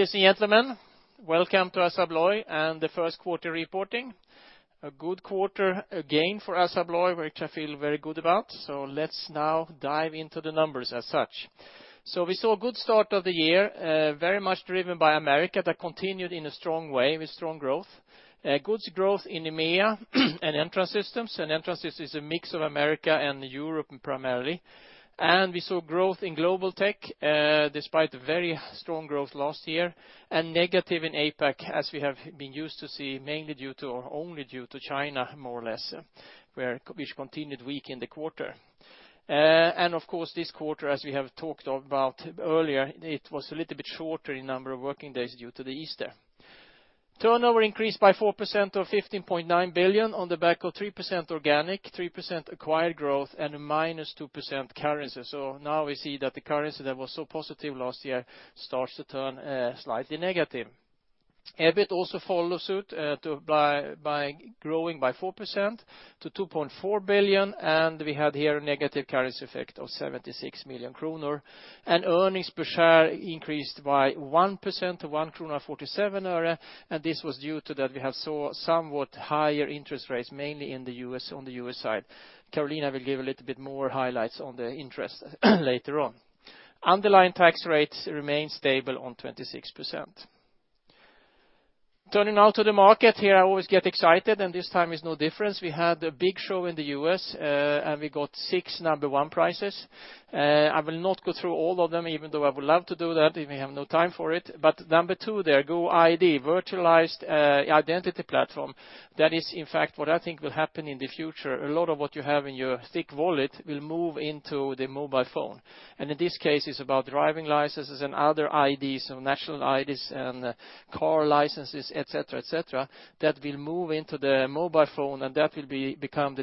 Ladies and gentlemen, welcome to Assa Abloy and the first quarter reporting. A good quarter again for Assa Abloy, which I feel very good about. Let's now dive into the numbers as such. We saw a good start of the year, very much driven by Americas, that continued in a strong way with strong growth. Good growth in EMEA and Entrance Systems. Entrance Systems is a mix of Americas and Europe primarily. We saw growth in Global Technologies despite very strong growth last year, negative in APAC, as we have been used to see, mainly due to, or only due to China more or less, which continued weak in the quarter. Of course, this quarter, as we have talked about earlier, it was a little bit shorter in number of working days due to Easter. Turnover increased by 4% or 15.9 billion on the back of 3% organic, 3% acquired growth, and a -2% currency. Now we see that the currency that was so positive last year starts to turn slightly negative. EBIT also follows suit by growing by 4% to 2.4 billion, and we had here a negative currency effect of 76 million kronor. Earnings per share increased by 1% to 1.47 kronor, and this was due to that we have saw somewhat higher interest rates, mainly on the U.S. side. Carolina will give a little bit more highlights on the interest later on. Underlying tax rates remain stable on 26%. Turning now to the market. Here I always get excited, and this time is no different. We had a big show in the U.S., and we got six number one prizes. I will not go through all of them, even though I would love to do that, we have no time for it. Number 2, the GoID virtualized identity platform. That is in fact what I think will happen in the future. A lot of what you have in your thick wallet will move into the mobile phone, and in this case it's about driving licenses and other IDs or national IDs and car licenses, et cetera, that will move into the mobile phone and that will become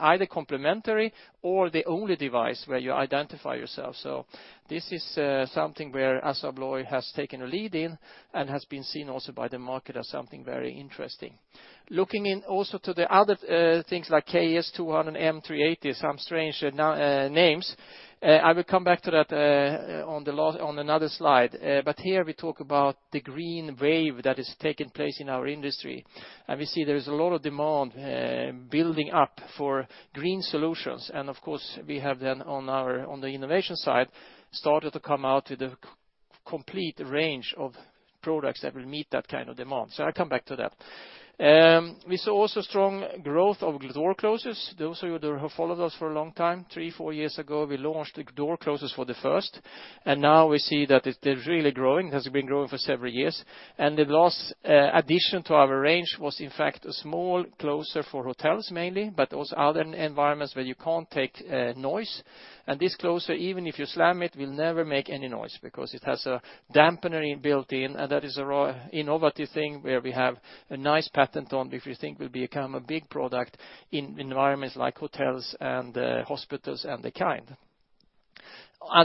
either complementary or the only device where you identify yourself. This is something where Assa Abloy has taken a lead in and has been seen also by the market as something very interesting. Looking in also to the other things like KESO 200 and M380, some strange names. I will come back to that on another slide. Here we talk about the green wave that is taking place in our industry. We see there is a lot of demand building up for green solutions. Of course, we have then on the innovation side, started to come out with a complete range of products that will meet that kind of demand. I'll come back to that. We saw also strong growth of door closers. Those of you who have followed us for a long time, three, four years ago, we launched door closers for the first. Now we see that it is really growing, has been growing for several years. The last addition to our range was in fact a small closer for hotels mainly, but also other environments where you can't take noise. This closer, even if you slam it, will never make any noise because it has a dampener built in. That is an innovative thing where we have a nice patent on, which we think will become a big product in environments like hotels and hospitals and the kind.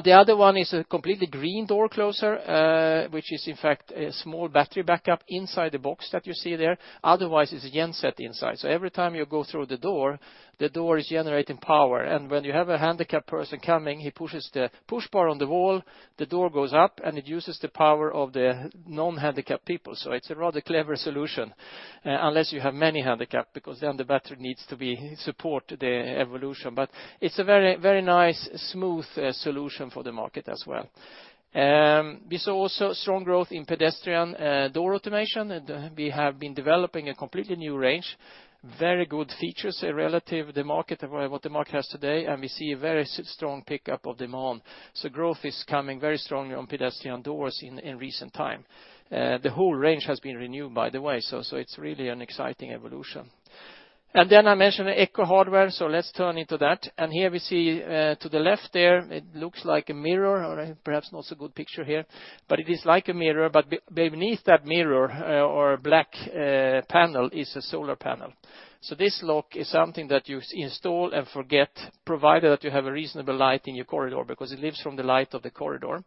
The other one is a completely green door closer, which is in fact a small battery backup inside the box that you see there. Otherwise, it's a genset inside. Every time you go through the door, the door is generating power. When you have a handicapped person coming, he pushes the push bar on the wall, the door goes up, and it uses the power of the non-handicapped people. It's a rather clever solution. Unless you have many handicapped, because then the battery needs to support the evolution. It's a very nice, smooth solution for the market as well. We saw also strong growth in pedestrian door automation. We have been developing a completely new range, very good features relative to what the market has today. We see a very strong pickup of demand. Growth is coming very strongly on pedestrian doors in recent time. The whole range has been renewed, by the way, so it's really an exciting evolution. Then I mentioned ECO hardware, so let's turn into that. Here we see to the left there, it looks like a mirror, or perhaps not a good picture here, but it is like a mirror. Beneath that mirror or black panel is a solar panel. This lock is something that you install and forget, provided that you have a reasonable light in your corridor, because it lives from the light of the corridor.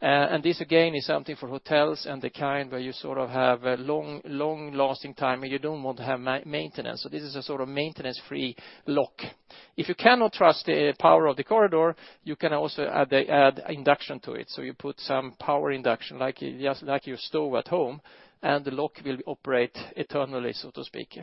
This again, is something for hotels and the kind where you sort of have a long-lasting time and you don't want to have maintenance. This is a sort of maintenance-free lock. If you cannot trust the power of the corridor, you can also add induction to it. You put some power induction, like your stove at home, and the lock will operate eternally, so to speak.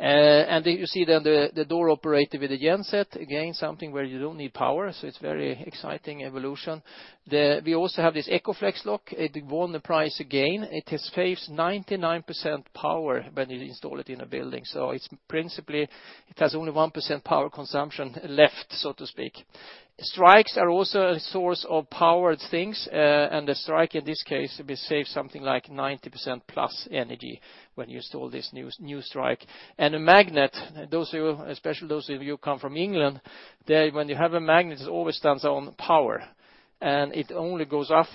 You see then the door operated with a genset. Again, something where you don't need power, it's very exciting evolution. We also have this EcoFlex lock. It won the prize again. It saves 99% power when you install it in a building. Principally, it has only 1% power consumption left, so to speak. Strikes are also a source of powered things. The strike in this case will save something like 90% plus energy when you install this new strike. A magnet, especially those of you who come from England, when you have a magnet, it always stands on power, and it only goes off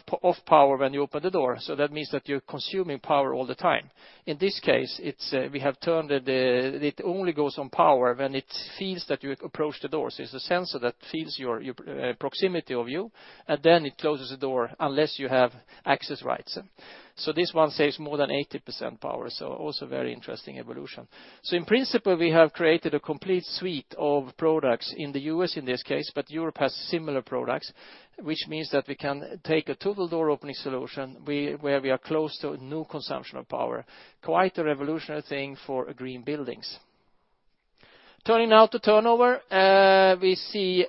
power when you open the door. That means that you're consuming power all the time. In this case, we have turned it. It only goes on power when it feels that you approach the door. It's a sensor that feels your proximity of you. Then it closes the door unless you have access rights. This one saves more than 80% power, also very interesting evolution. In principle, we have created a total door opening solution in the U.S. in this case, but Europe has similar products, which means that we can take a total door opening solution, where we are close to no consumption of power. Quite a revolutionary thing for green buildings. Turning now to turnover. We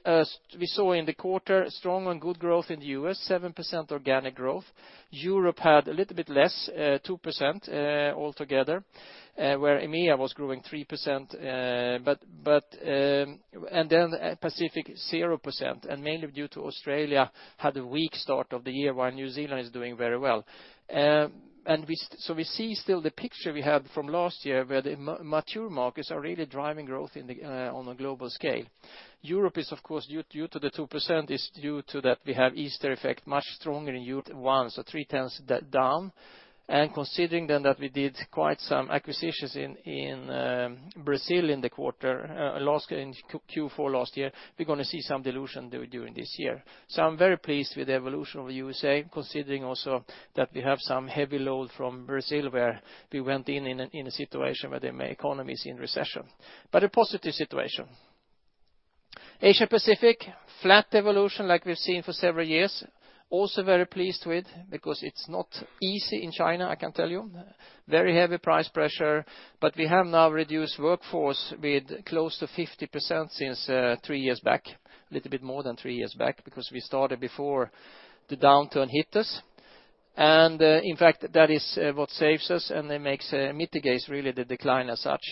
saw in the quarter strong and good growth in the U.S., 7% organic growth. Europe had a little bit less, 2% altogether, where EMEA was growing 3%, and then APAC 0%, and mainly due to Australia had a weak start of the year, while New Zealand is doing very well. We see still the picture we had from last year where the mature markets are really driving growth on a global scale. Europe is, of course, due to the 2%, is due to that we have Easter effect much stronger in Q1, three-tenths that down. Considering then that we did quite some acquisitions in Brazil in Q4 last year, we're going to see some dilution during this year. I'm very pleased with the evolution of USA, considering also that we have some heavy load from Brazil, where we went in a situation where the main economy is in recession. A positive situation. APAC, flat evolution like we've seen for several years. Also very pleased with, because it's not easy in China, I can tell you. Very heavy price pressure, we have now reduced workforce with close to 50% since three years back, a little bit more than three years back, because we started before the downturn hit us. In fact, that is what saves us and it mitigates, really, the decline as such.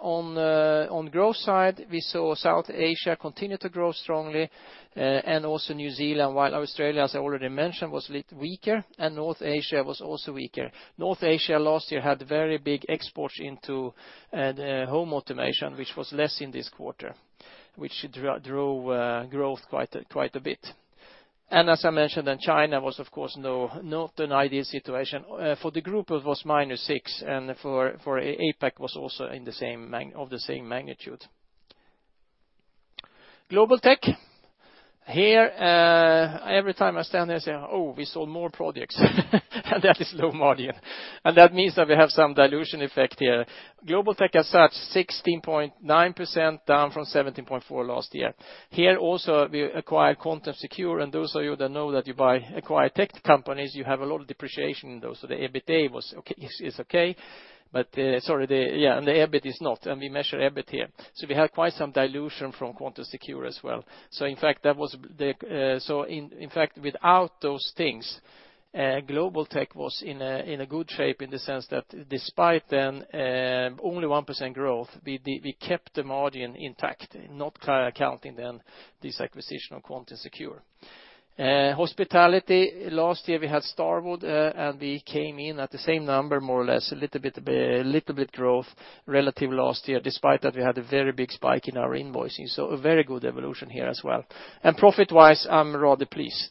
On growth side, we saw South Asia continue to grow strongly, Also New Zealand, while Australia, as I already mentioned, was a little weaker, North Asia was also weaker. North Asia last year had very big exports into home automation, which was less in this quarter, which drove growth quite a bit. As I mentioned, then China was, of course, not an ideal situation. For the group, it was -6%, For APAC was also of the same magnitude. Global Tech. Here, every time I stand here, say, "Oh, we sold more projects." That is low margin. That means that we have some dilution effect here. Global Tech as such, 16.9% down from 17.4% last year. Here also, we acquired Quantum Secure, Those of you that know that you acquire tech companies, you have a lot of depreciation in those. The EBIT is okay. Sorry. The EBIT is not. We measure EBIT here. We had quite some dilution from Quantum Secure as well. In fact, without those things, Global Tech was in a good shape in the sense that despite then only 1% growth, we kept the margin intact, not accounting then this acquisition of Quantum Secure. Hospitality, last year we had Starwood, We came in at the same number, more or less, a little bit growth relative last year, despite that we had a very big spike in our invoicing. A very good evolution here as well. Profit-wise, I'm rather pleased.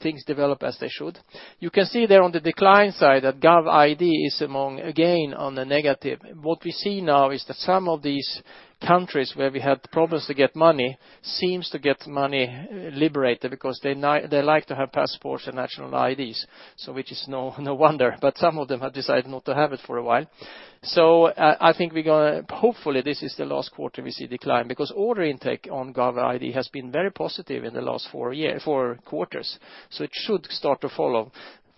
Things develop as they should. You can see there on the decline side that GovID is among, again, on the negative. We see now is that some of these countries where we had problems to get money seems to get money liberated because they like to have passports and national IDs. Is no wonder, but some of them have decided not to have it for a while. I think hopefully, this is the last quarter we see decline, because order intake on GovID has been very positive in the last 4 quarters. It should start to follow.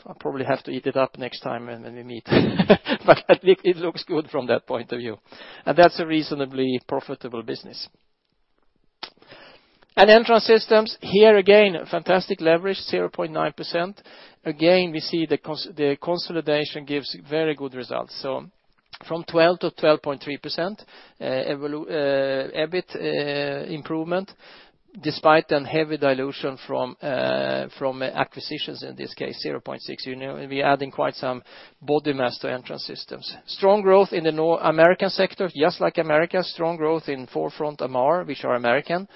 I probably have to eat it up next time when we meet. It looks good from that point of view. That's a reasonably profitable business. Entrance Systems, here again, fantastic leverage, 0.9%. Again, we see the consolidation gives very good results. From 12%-12.3% EBIT improvement, despite the heavy dilution from acquisitions, in this case, 0.6%. We add in quite some body mass to Entrance Systems. Strong growth in the North American sector, just like Americas, strong growth in Forefront, Amarr, which are American.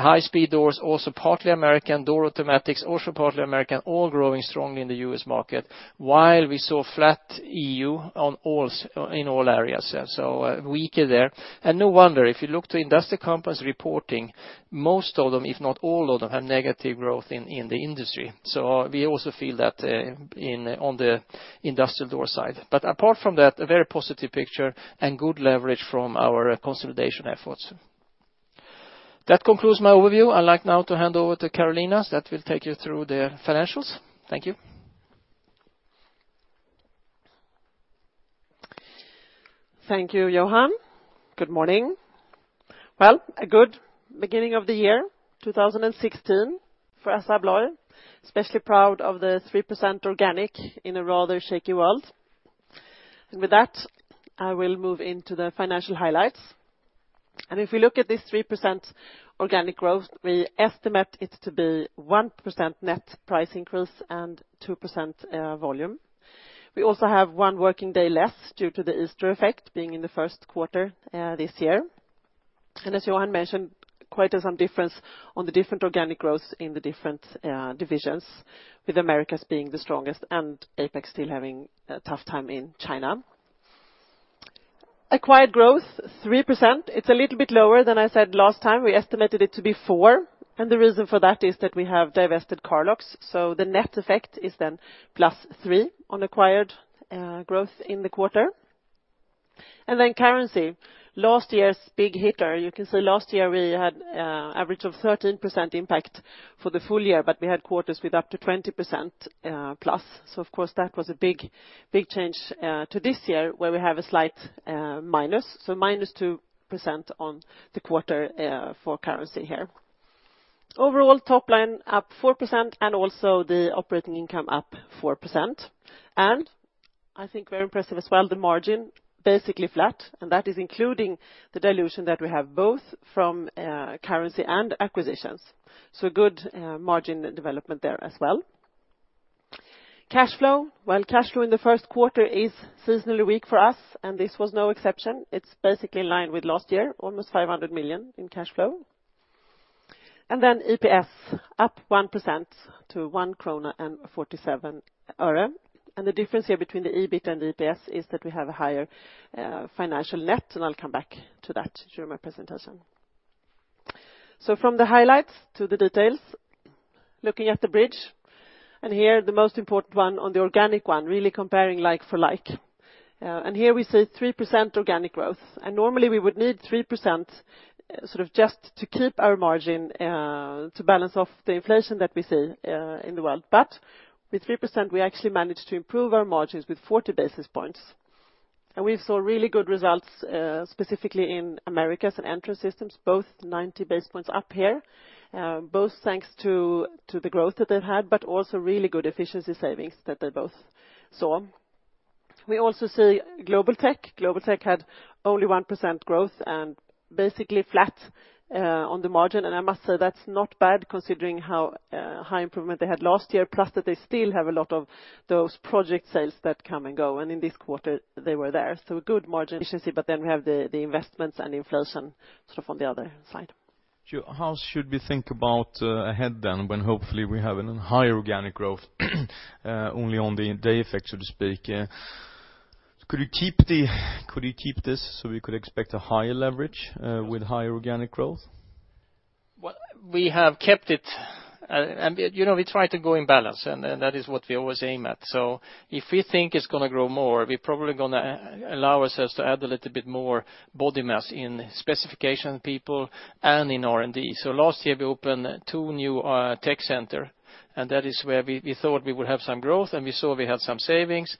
High-speed doors, also partly American. Door automatics, also partly American. All growing strongly in the U.S. market, while we saw flat EU in all areas, weaker there. No wonder, if you look to industrial companies reporting, most of them, if not all of them, have negative growth in the industry. We also feel that on the industrial door side. Apart from that, a very positive picture and good leverage from our consolidation efforts. That concludes my overview. I'd like now to hand over to Carolina that will take you through the financials. Thank you. Thank you, Johan. Good morning. Well, a good beginning of the year 2016 for Assa Abloy. Especially proud of the 3% organic in a rather shaky world. With that, I will move into the financial highlights. If we look at this 3% organic growth, we estimate it to be 1% net price increase and 2% volume. We also have one working day less due to the Easter effect being in the first quarter this year. As Johan mentioned, quite some difference on the different organic growth in the different divisions, with Americas being the strongest and APAC still having a tough time in China. Acquired growth, 3%. It's a little bit lower than I said last time. We estimated it to be 4%. The reason for that is that we have divested Car Lock, the net effect is then plus 3% on acquired growth in the quarter. Then currency, last year's big hitter. You can see last year we had average of 13% impact for the full year, but we had quarters with up to +20%. Of course, that was a big change to this year, where we have a slight minus, -2% on the quarter for currency here. Overall top line up 4% also the operating income up 4%. I think very impressive as well, the margin basically flat, that is including the dilution that we have both from currency and acquisitions. Good margin development there as well. Cash flow. While cash flow in the first quarter is seasonally weak for us, this was no exception, it is basically in line with last year, almost 500 million in cash flow. EPS up 1% to 1.47 krona. The difference here between the EBIT and EPS is that we have a higher financial net, I will come back to that during my presentation. From the highlights to the details, looking at the bridge, here the most important one on the organic one, really comparing like for like. Here we see 3% organic growth, normally we would need 3% sort of just to keep our margin to balance off the inflation that we see in the world. With 3%, we actually managed to improve our margins with 40 basis points. We saw really good results, specifically in Americas and Entrance Systems, both 90 basis points up here. Both thanks to the growth that they have had, also really good efficiency savings that they both saw. We also see Global Tech. Global Tech had only 1% growth and basically flat on the margin. I must say that is not bad considering how high improvement they had last year, plus that they still have a lot of those project sales that come and go, in this quarter they were there. Good margin efficiency. We have the investments and inflation sort of on the other side. How should we think about ahead when hopefully we have a higher organic growth only on the day effect, so to speak. Could you keep this so we could expect a higher leverage with higher organic growth? We have kept it, we try to go in balance, that is what we always aim at. If we think it is going to grow more, we are probably going to allow ourselves to add a little bit more body mass in specification people and in R&D. Last year, we opened two new tech center, that is where we thought we would have some growth, we saw we had some savings,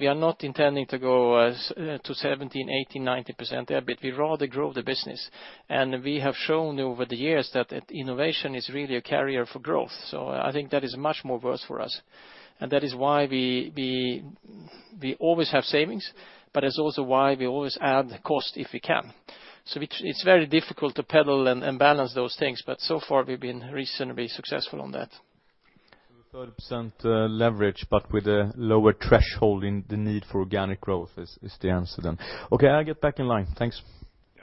we are not intending to go to 70%, 80%, 90% there. We would rather grow the business. We have shown over the years that innovation is really a carrier for growth. I think that is much more worth for us, that is why we always have savings, it is also why we always add cost if we can. It's very difficult to pedal and balance those things, so far, we've been reasonably successful on that. 30% leverage, with a lower threshold in the need for organic growth is the answer then. Okay, I'll get back in line. Thanks. Yeah.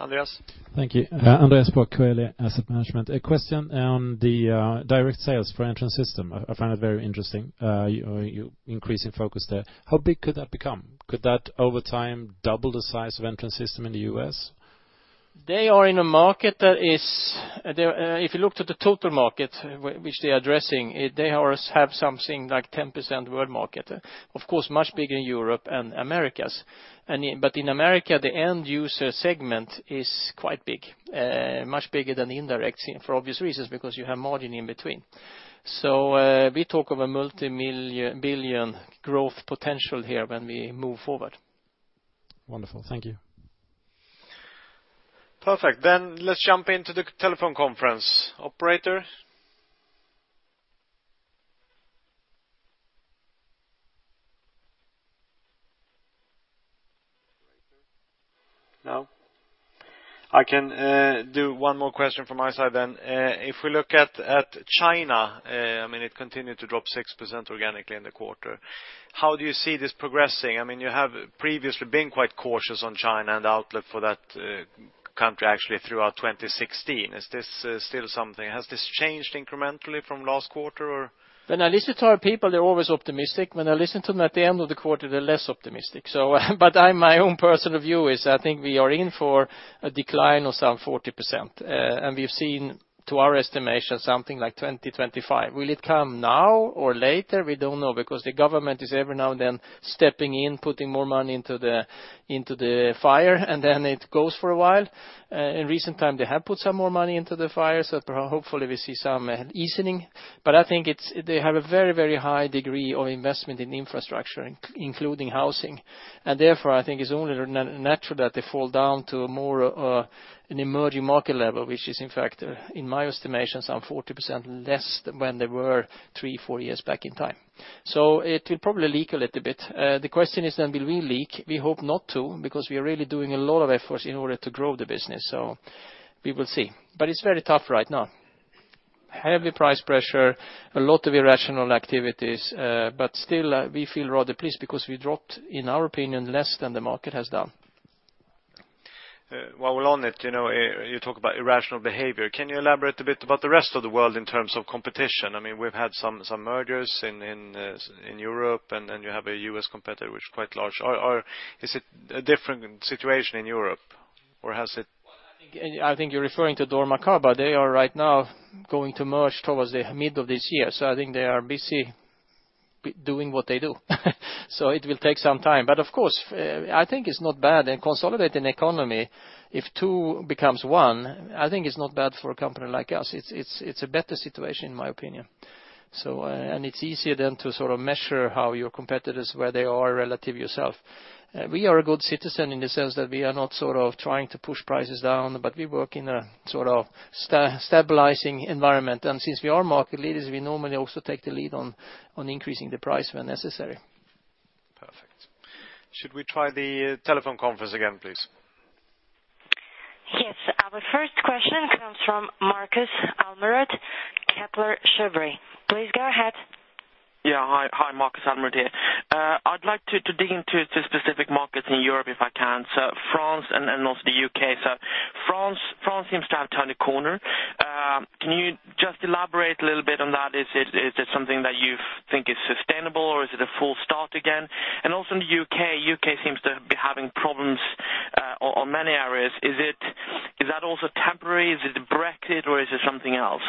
Andreas. Thank you. Andreas Koski, Asset Management. A question on the direct sales for Entrance Systems. I find it very interesting you increasing focus there. How big could that become? Could that, over time, double the size of Entrance Systems in the U.S.? They are in a market. If you looked at the total market which they're addressing, they have something like 10% world market. Of course, much bigger in Europe and Americas. In America, the end user segment is quite big, much bigger than the indirect scene for obvious reasons, because you have margin in between. We talk of a multi-billion growth potential here when we move forward. Wonderful. Thank you. Perfect. Let's jump into the telephone conference. Operator? No? I can do one more question from my side then. If we look at China, it continued to drop 6% organically in the quarter. How do you see this progressing? You have previously been quite cautious on China and the outlook for that country actually throughout 2016. Is this still something? Has this changed incrementally from last quarter, or? When I listen to our people, they're always optimistic. When I listen to them at the end of the quarter, they're less optimistic. My own personal view is I think we are in for a decline of some 40%, and we've seen, to our estimation, something like 20, 25. Will it come now or later? We don't know, because the government is every now and then stepping in, putting more money into the fire, it goes for a while. In recent time, they have put some more money into the fire, hopefully we see some easing. I think they have a very, very high degree of investment in infrastructure, including housing, therefore, I think it's only natural that they fall down to a more an emerging market level, which is, in fact, in my estimation, some 40% less than when they were three, four years back in time. It will probably leak a little bit. The question is then, will we leak? We hope not to, because we are really doing a lot of efforts in order to grow the business. We will see. It's very tough right now. Heavy price pressure, a lot of irrational activities, still, we feel rather pleased because we dropped, in our opinion, less than the market has done. While we're on it, you talk about irrational behavior. Can you elaborate a bit about the rest of the world in terms of competition? We've had some mergers in Europe, and you have a U.S. competitor, which is quite large. Is it a different situation in Europe? Has it- Well, I think you're referring to dormakaba. They are right now going to merge towards the middle of this year, I think they are busy doing what they do It will take some time. Of course, I think it's not bad in consolidating economy if two becomes one. I think it's not bad for a company like us. It's a better situation, in my opinion It's easier then to measure how your competitors, where they are relative to yourself. We are a good citizen in the sense that we are not trying to push prices down, but we work in a stabilizing environment. Since we are market leaders, we normally also take the lead on increasing the price when necessary. Perfect. Should we try the telephone conference again, please? Yes. Our first question comes from Marcus Almerud, Kepler Cheuvreux. Please go ahead. Hi, Marcus Almerud here. I'd like to dig into specific markets in Europe, if I can. France and also the U.K. France seems to have turned a corner. Can you just elaborate a little bit on that? Is it something that you think is sustainable or is it a full start again? In the U.K., the U.K. seems to be having problems on many areas. Is that also temporary? Is it Brexit or is it something else?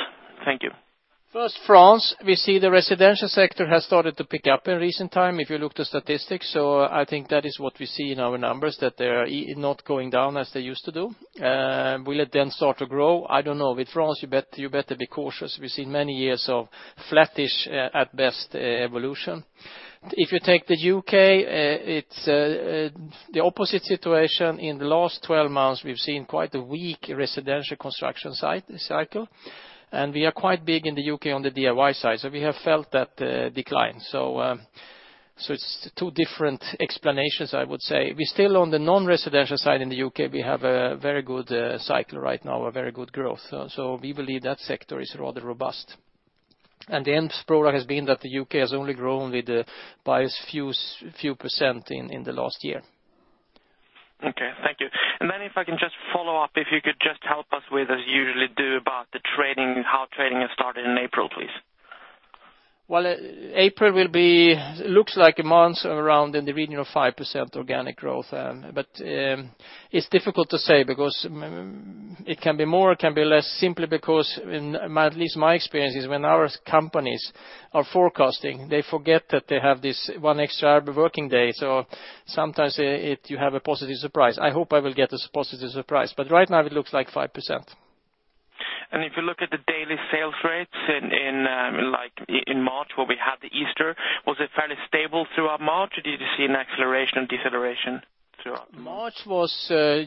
Thank you. First, France, we see the residential sector has started to pick up in recent time if you look at the statistics. I think that is what we see in our numbers, that they are not going down as they used to do. Will it start to grow? I don't know. With France, you better be cautious. We've seen many years of flattish, at best, evolution. If you take the U.K., it's the opposite situation. In the last 12 months, we've seen quite a weak residential construction cycle. We are quite big in the U.K. on the DIY side. We have felt that decline. It's two different explanations, I would say. We still on the non-residential side in the U.K., we have a very good cycle right now, a very good growth. We believe that sector is rather robust. The end product has been that the U.K. has only grown with by a few % in the last year. Okay. Thank you. Then if I can just follow up, if you could just help us with, as you usually do, about the trading, how trading has started in April, please. April looks like a month around in the region of 5% organic growth. It's difficult to say because it can be more, it can be less, simply because at least my experience is when our companies are forecasting, they forget that they have this one extra working day. Sometimes you have a positive surprise. I hope I will get this positive surprise, but right now it looks like 5%. If you look at the daily sales rates in March, where we had the Easter, was it fairly stable throughout March, or did you see an acceleration and deceleration throughout March?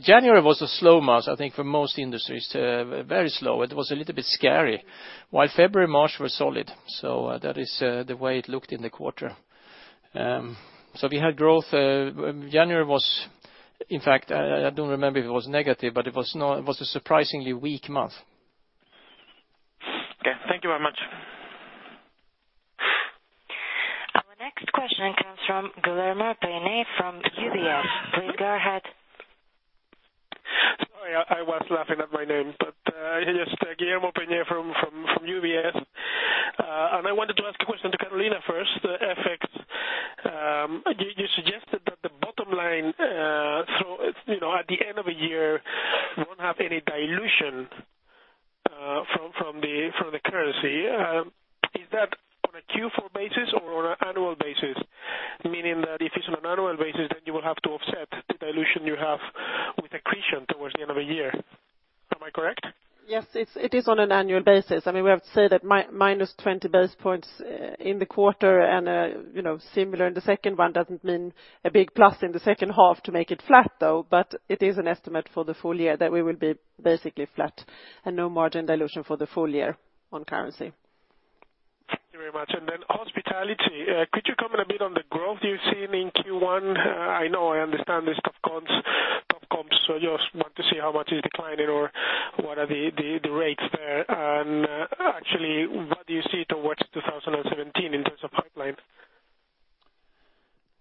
January was a slow Mass, I think for most industries. Very slow. It was a little bit scary. While February, March were solid. That is the way it looked in the quarter. We had growth. January was, in fact, I don't remember if it was negative, but it was a surprisingly weak month. Okay. Thank you very much. Our next question comes from Guillermo Peigneux-Lojo from UBS. Please go ahead. Sorry, I was laughing at my name. Yes, Guillermo Pena from UBS. I wanted to ask a question to Carolina first, FX. You suggested that the bottom line, at the end of the year, won't have any dilution from the currency. Is that on a Q4 basis or on an annual basis? Meaning that if it's on an annual basis, you will have to offset the dilution you have with accretion towards the end of the year. Am I correct? Yes, it is on an annual basis. We have to say that -20 basis points in the quarter and similar in the second one doesn't mean a big plus in the second half to make it flat, though. It is an estimate for the full year that we will be basically flat and no margin dilution for the full year on currency. Thank you very much. Then hospitality. Could you comment a bit on the growth you've seen in Q1? I know, I understand there's top comps, so just want to see how much is declining or what are the rates there. Actually, what do you see towards 2017 in terms of pipeline?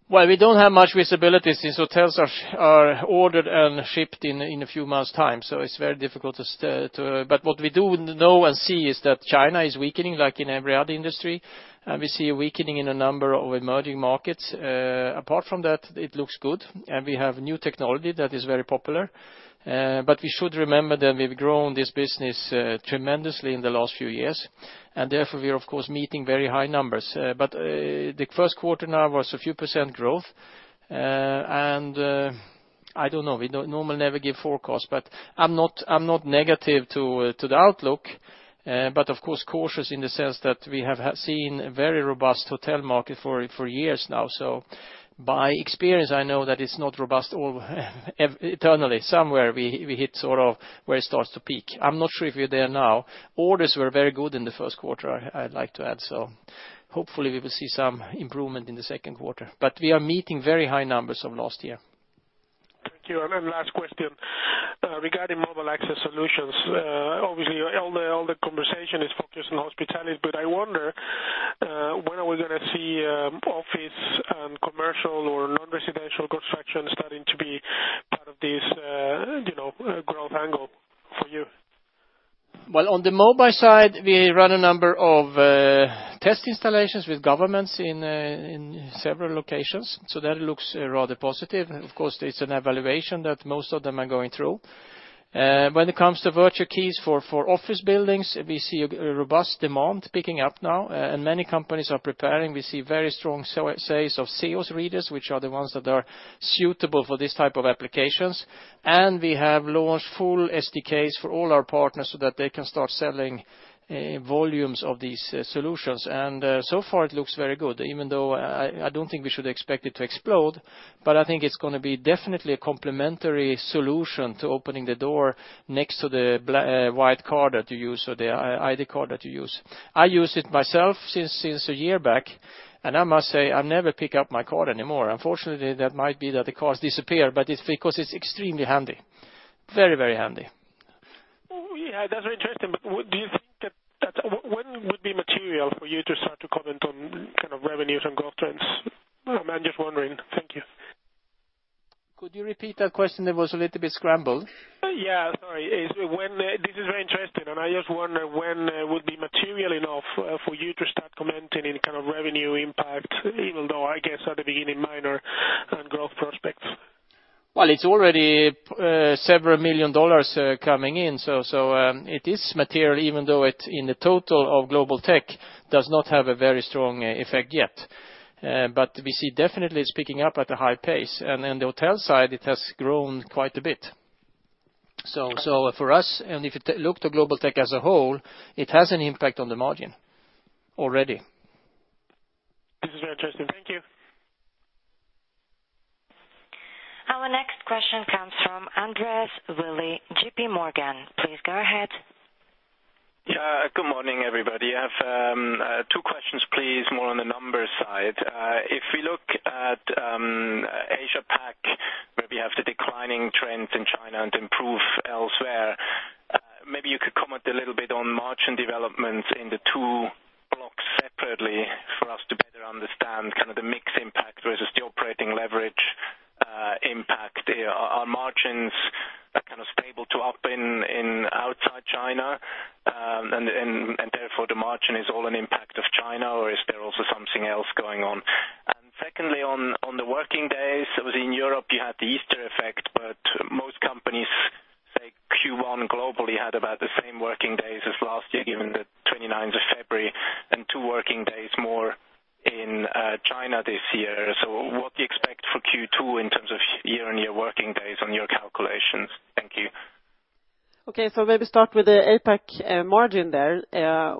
Well, we don't have much visibility since hotels are ordered and shipped in a few months' time, so it's very difficult. What we do know and see is that China is weakening, like in every other industry. We see a weakening in a number of emerging markets. Apart from that, it looks good, and we have new technology that is very popular. We should remember that we've grown this business tremendously in the last few years, and therefore we are, of course, meeting very high numbers. The first quarter now was a few % growth. I don't know, we normally never give forecasts, but I'm not negative to the outlook. Of course, cautious in the sense that we have seen a very robust hotel market for years now. By experience, I know that it's not robust eternally. Somewhere we hit where it starts to peak. I'm not sure if we're there now. Orders were very good in the first quarter, I'd like to add, so hopefully we will see some improvement in the second quarter. We are meeting very high numbers of last year. Thank you. Last question, regarding Mobile Access Solutions. Obviously, all the conversation is focused on hospitality, but I wonder when are we going to see office and commercial or non-residential construction starting to be part of this growth angle for you? Well, on the mobile side, we run a number of test installations with governments in several locations, that looks rather positive. Of course, it's an evaluation that most of them are going through. When it comes to virtual keys for office buildings, we see a robust demand picking up now, many companies are preparing. We see very strong sales of Seos readers, which are the ones that are suitable for this type of applications. We have launched full SDKs for all our partners so that they can start selling volumes of these solutions. So far it looks very good, I don't think we should expect it to explode, I think it's going to be definitely a complementary solution to opening the door next to the white card that you use or the ID card that you use. I use it myself since a year back, I must say I never pick up my card anymore. Unfortunately, that might be that the cards disappear, it's because it's extremely handy. Very handy. Yeah, that's very interesting. When would be material for you to start to comment on kind of revenues and growth trends? I'm just wondering. Thank you. Could you repeat that question? It was a little bit scrambled. Yeah, sorry. This is very interesting. I just wonder when would be material enough for you to start commenting any kind of revenue impact, even though I guess at the beginning, minor and growth prospects. Well, it's already several million SEK coming in. It is material even though in the total of Global Technologies does not have a very strong effect yet. We see definitely it's picking up at a high pace. On the hotel side, it has grown quite a bit. For us, if you look to Global Technologies as a whole, it has an impact on the margin already. This is very interesting. Thank you. Our next question comes from Andreas Willi, J.P. Morgan. Please go ahead. Yeah. Good morning, everybody. I have two questions, please, more on the numbers side. If we look at APAC, where we have the declining trends in China and improve elsewhere, maybe you could comment a little bit on margin developments in the two blocks separately for us to better understand kind of the mix impact versus the operating leverage impact. Are margins kind of stable to up in outside China, therefore the margin is all an impact of China or is there also something else going on? Secondly, on the working days, it was in Europe, you had the Easter effect, but most companies say Q1 globally had about the same working days as last year, given the 29th of February and two working days more in China this year. What do you expect for Q2 in terms of year-over-year working days on your calculations? Thank you. Okay, maybe start with the APAC margin there.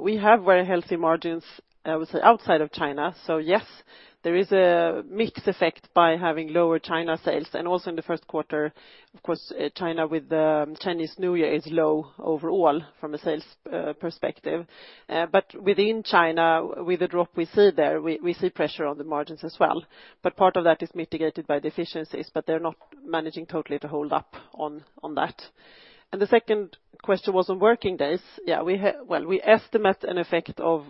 We have very healthy margins, I would say, outside of China. Yes, there is a mix effect by having lower China sales. Also in the first quarter, of course, China with the Chinese New Year is low overall from a sales perspective. Within China, with the drop we see there, we see pressure on the margins as well. Part of that is mitigated by deficiencies, but they're not managing totally to hold up on that. The second question was on working days. Well, we estimate an effect of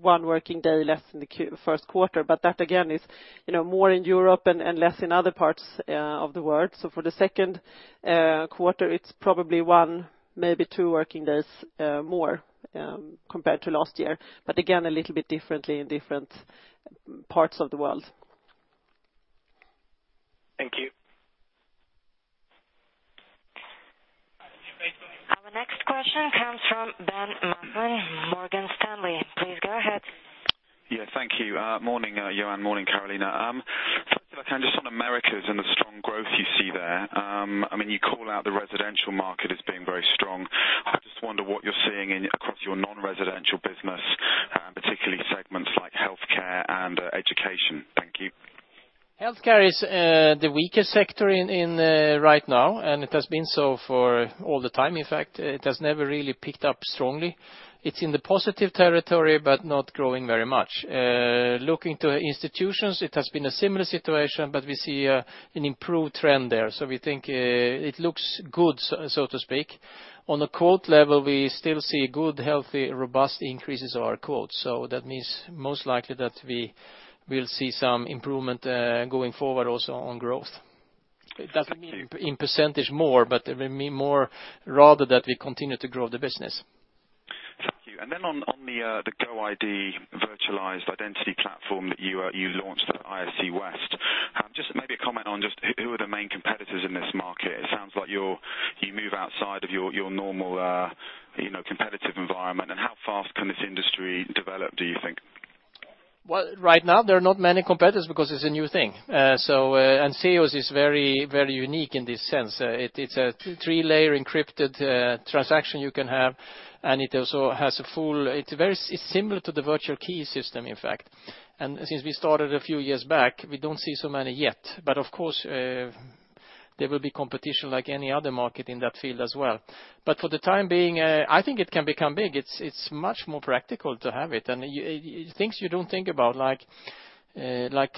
one working day less in the first quarter, but that again is more in Europe and less in other parts of the world. For the second quarter, it's probably one, maybe two working days more, compared to last year. Again, a little bit differently in different parts of the world. Thank you. Our next question comes from Ben Maslen, Morgan Stanley. Please go ahead. Thank you. Morning, Johan. Morning, Carolina. First, just on Americas and the strong growth you see there. You call out the residential market as being very strong. I just wonder what you're seeing across your non-residential business, particularly segments like healthcare and education. Thank you. Healthcare is the weakest sector right now, and it has been so for all the time. In fact, it has never really picked up strongly. It's in the positive territory, but not growing very much. Looking to institutions, it has been a similar situation, but we see an improved trend there. We think it looks good, so to speak. On the quote level, we still see good, healthy, robust increases of our quotes. That means most likely that we will see some improvement, going forward also on growth. It doesn't mean in % more, but it may mean more rather that we continue to grow the business. Thank you. Then on the GoID virtualized identity platform that you launched at ISC West, just maybe a comment on just who are the main competitors in this market? It sounds like you move outside of your normal competitive environment. How fast can this industry develop, do you think? Well, right now there are not many competitors because it's a new thing. Seos is very unique in this sense. It's a three-layer encrypted transaction you can have. It's similar to the virtual key system, in fact. Since we started a few years back, we don't see so many yet. Of course, there will be competition like any other market in that field as well. For the time being, I think it can become big. It's much more practical to have it, and things you don't think about, like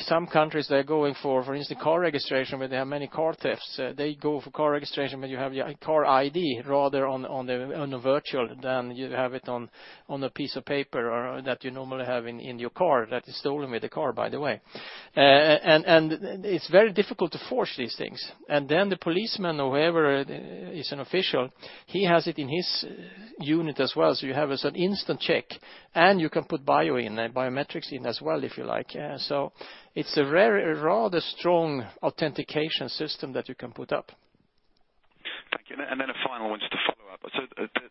some countries, they're going for instance, car registration, where they have many car thefts. They go for car registration, where you have your car ID rather on a virtual than you have it on a piece of paper that you normally have in your car that is stolen with the car, by the way. It's very difficult to forge these things. Then the policeman or whoever is an official, he has it in his unit as well. You have as an instant check, and you can put biometrics in as well, if you like. It's a rather strong authentication system that you can put up. Thank you. Then a final one, just to follow up.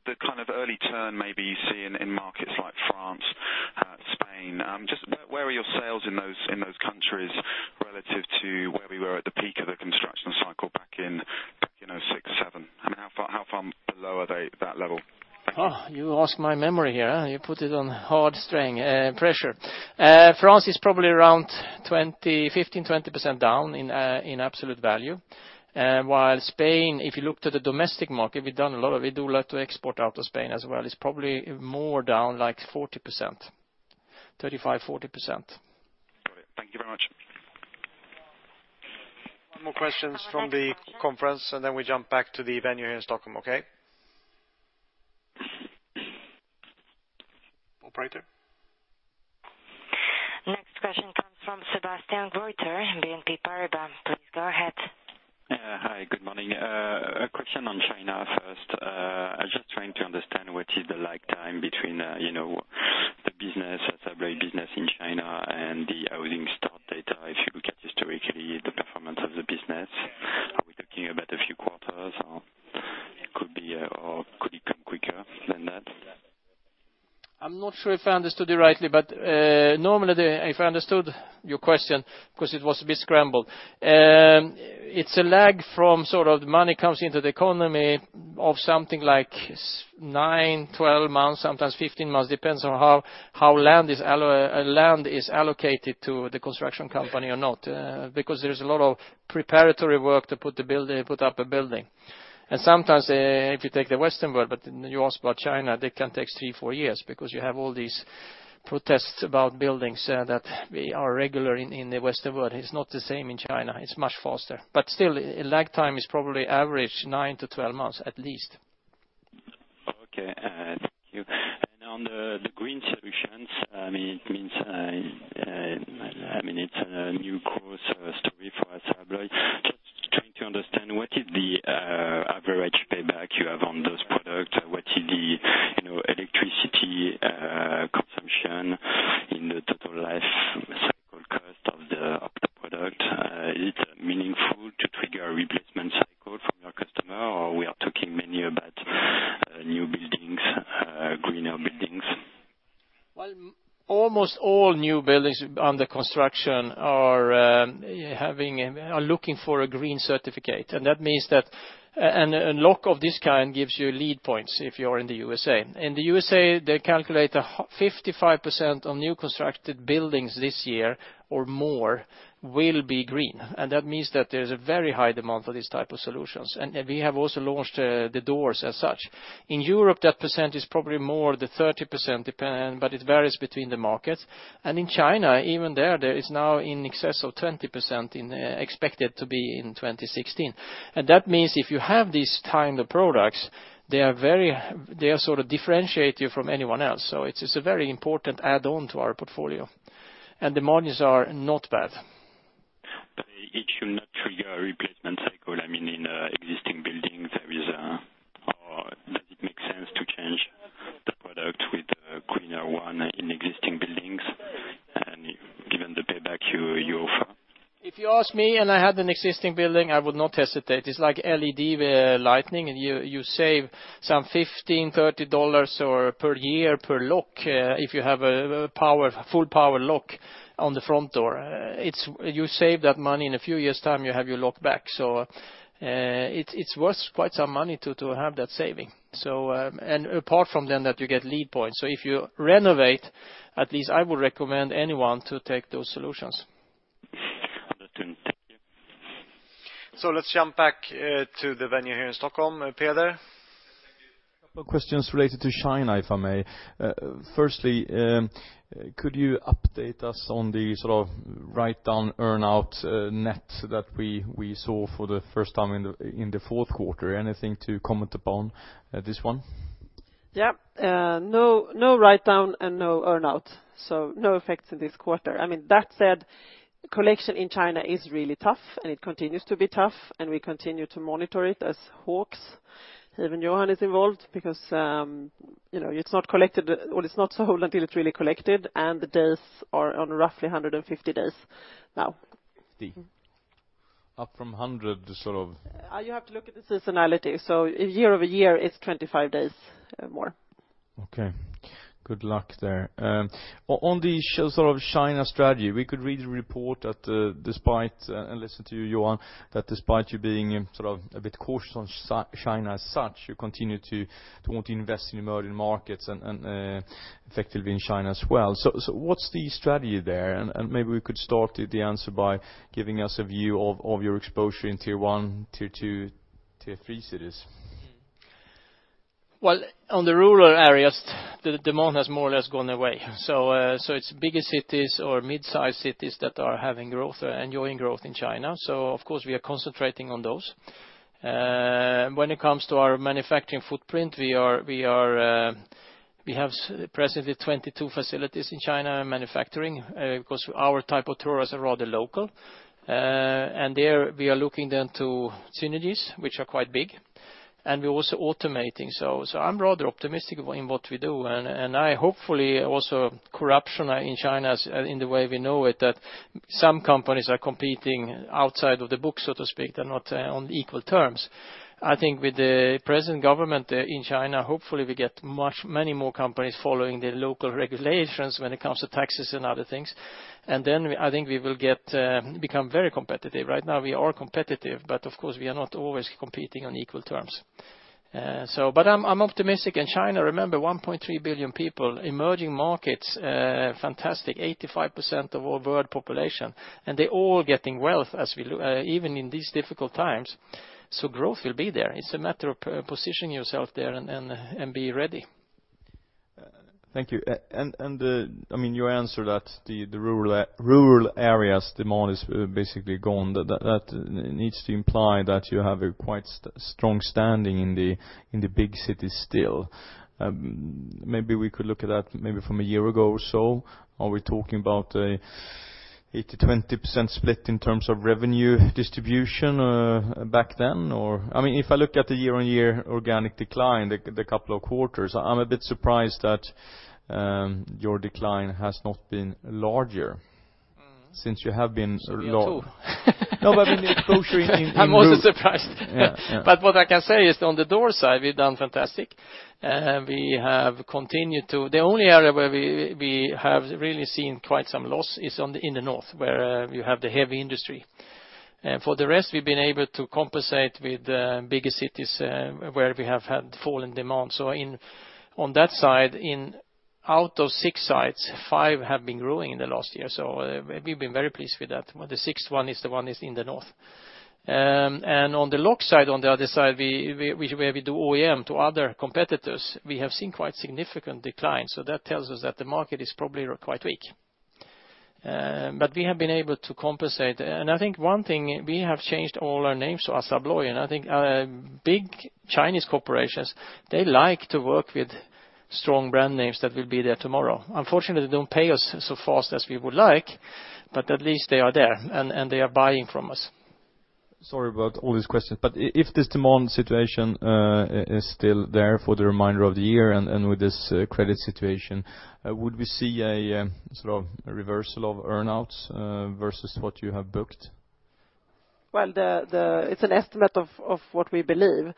The kind of early turn maybe you see in markets like France, Spain, just where are your sales in those countries relative to where we were at the peak of the construction cycle back in 2006, 2007? How far below are they that level? Oh, you ask my memory here. You put it on hard strain, pressure. France is probably around 15%-20% down in absolute value. While Spain, if you look to the domestic market, we do a lot to export out of Spain as well, is probably more down like 40%, 35%-40%. Got it. Thank you very much. One more questions from the conference, then we jump back to the venue here in Stockholm, okay? Operator? Next question comes from Sebastian Kettler, BNP Paribas. Please go ahead. Hi, good morning. A question on China first. I'm just trying to understand what is the lag time between the Assa Abloy business in China and the housing stock data if you look at historically the performance of the business. Are we talking about a few quarters, or could it come quicker than that? I'm not sure if I understood you rightly, normally, if I understood your question, because it was a bit scrambled. It's a lag from sort of money comes into the economy of something like nine, 12 months, sometimes 15 months, depends on how land is allocated to the construction company or not. There's a lot of preparatory work to put up a building. new buildings under construction are looking for a green certificate, and a lock of this kind gives you LEED points if you are in the U.S.A. In the U.S.A., they calculate 55% on new constructed buildings this year or more will be green, that means that there's a very high demand for these type of solutions. We have also launched the doors as such. In Europe, that percent is probably more the 30%, but it varies between the markets. In China, even there is now in excess of 20% expected to be in 2016. That means if you have these kind of products, they sort of differentiate you from anyone else. It's a very important add-on to our portfolio. The monies are not bad. It should not trigger a replacement cycle, I mean, in existing buildings, or does it make sense to change the product with a greener one in existing buildings? Given the payback you offer. If you ask me and I had an existing building, I would not hesitate. It's like LED lighting, you save some SEK 15, SEK 30 or per year per lock, if you have a full power lock on the front door. You save that money in a few years' time, you have your lock back. It's worth quite some money to have that saving. Apart from then that you get LEED points. If you renovate, at least I would recommend anyone to take those solutions. Understood. Thank you. Let's jump back to the venue here in Stockholm. Peder? A couple of questions related to China, if I may. Firstly, could you update us on the sort of write-down, earn-out net that we saw for the first time in the fourth quarter? Anything to comment upon this one? Yeah. No write-down and no earn-out, so no effects in this quarter. I mean, that said, collection in China is really tough, and it continues to be tough, and we continue to monitor it as hawks. Even Johan is involved because it's not sold until it's really collected, and the days are on roughly 150 days now. 50. Up from 100. You have to look at the seasonality. Year-over-year, it's 25 days more. Okay. Good luck there. On the sort of China strategy, we could read the report and listen to you, Johan, that despite you being sort of a bit cautious on China as such, you continue to want to invest in emerging markets and effectively in China as well. What's the strategy there? Maybe we could start the answer by giving us a view of your exposure in tier 1, tier 2, tier 3 cities. Well, on the rural areas, the demand has more or less gone away. It's bigger cities or mid-size cities that are enjoying growth in China. Of course, we are concentrating on those. When it comes to our manufacturing footprint, we have presently 22 facilities in China manufacturing, because our type of products are rather local. There we are looking then to synergies, which are quite big, and we're also automating. I'm rather optimistic in what we do, and hopefully also corruption in China in the way we know it, that some companies are competing outside of the book, so to speak. They're not on equal terms. I think with the present government in China, hopefully we get many more companies following the local regulations when it comes to taxes and other things. Then I think we will become very competitive. Right now we are competitive, but of course, we are not always competing on equal terms. I'm optimistic in China. Remember, 1.3 billion people, emerging markets, fantastic, 85% of all world population, they're all getting wealth, even in these difficult times. Growth will be there. It's a matter of positioning yourself there and be ready. Thank you. You answered that the rural areas demand is basically gone. That needs to imply that you have a quite strong standing in the big cities still. Maybe we could look at that from a year ago or so. Are we talking about an 80/20% split in terms of revenue distribution back then? If I look at the year-on-year organic decline, the couple of quarters, I am a bit surprised that your decline has not been larger since you have been- Me too. No, I mean, your exposure in rural- I am also surprised. Yeah. What I can say is on the door side, we've done fantastic. The only area where we have really seen quite some loss is in the north, where you have the heavy industry. For the rest, we've been able to compensate with bigger cities, where we have had fallen demand. On that side, out of six sites, five have been growing in the last year. We've been very pleased with that. The sixth one is the one that's in the north. On the lock side, on the other side, where we do OEM to other competitors, we have seen quite significant decline. That tells us that the market is probably quite weak. We have been able to compensate. I think one thing, we have changed all our names to Assa Abloy, and I think big Chinese corporations, they like to work with strong brand names that will be there tomorrow. Unfortunately, they don't pay us as fast as we would like, but at least they are there, and they are buying from us. Sorry about all these questions, but if this demand situation is still there for the remainder of the year, and with this credit situation, would we see a reversal of earnouts versus what you have booked? Well, it's an estimate of what we believe.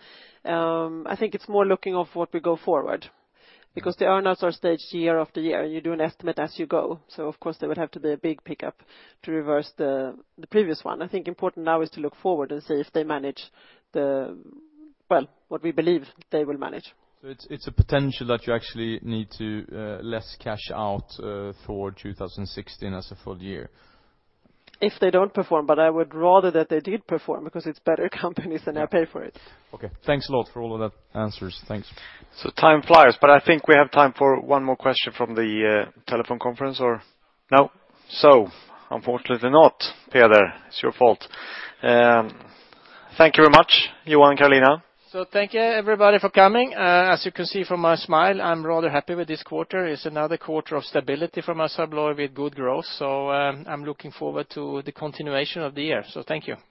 I think it's more looking of what we go forward, because the earnouts are staged year after year. You do an estimate as you go, of course there would have to be a big pickup to reverse the previous one. I think important now is to look forward and see if they manage the, well, what we believe they will manage. It's a potential that you actually need to less cash out for 2016 as a full year? If they don't perform, but I would rather that they did perform because it's better companies and I pay for it. Okay. Thanks a lot for all of those answers. Thanks. Time flies, but I think we have time for one more question from the telephone conference or no? Unfortunately not. Peder, it's your fault. Thank you very much, Johan and Carolina. Thank you everybody for coming. As you can see from my smile, I'm rather happy with this quarter. It's another quarter of stability from Assa Abloy with good growth. I'm looking forward to the continuation of the year. Thank you.